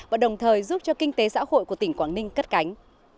và đồng thời giúp cho kinh tế xã hội của tỉnh quảng ninh cất cánh